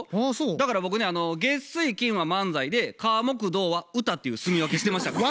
だから僕ね月水金は漫才で火木土は歌っていうすみ分けしてましたから。